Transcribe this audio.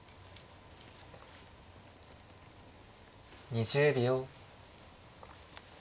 ２０秒。